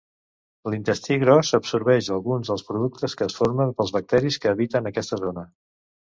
L'intestí gros absorbeix alguns dels productes que es formen pels bacteris que habiten aquesta zona.